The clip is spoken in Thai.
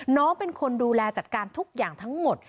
น้องเป็นคนดูแลจัดการทุกอย่างทั้งหมด